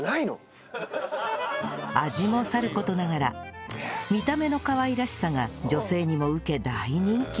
味もさる事ながら見た目のかわいらしさが女性にも受け大人気